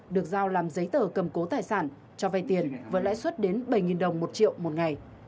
được giao làm giấy tờ cầm cố tài sản cho vay tiền với lãi suất đến bảy đồng một triệu một ngày